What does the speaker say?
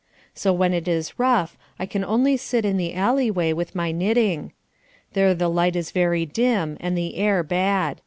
So when it is rough, I can only sit in the alley way with my knitting. There the light is very dim and the air bad.